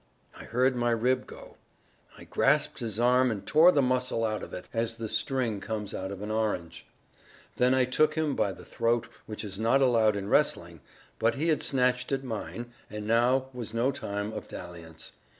I heard my rib go; I grasped his arm and tore the muscle out of it (as the string comes out of an orange); then I took him by the throat, which is not allowed in wrestling, but he had snatched at mine; and now was no time of dalliance.